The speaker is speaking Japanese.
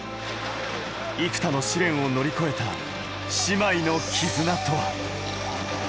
幾多の試練を乗り越えた姉妹の絆とは。